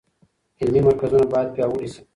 علمي مرکزونه باید پیاوړي شي.